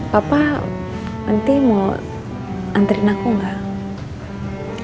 bapak nanti mau antriin aku tidak